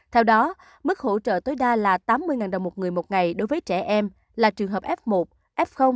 theo đó mức hỗ trợ tối đa là tám mươi đồng một người một ngày đối với trẻ em là trường hợp f một f